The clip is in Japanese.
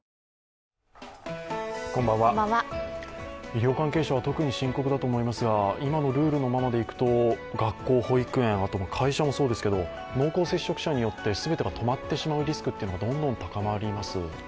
医療関係者は特に深刻だと思いますが、今のルールのままでいくと学校、保育園、あと会社もそうですけれども、濃厚接触者によって全てが止まってしまうリスクがどんどん高まります。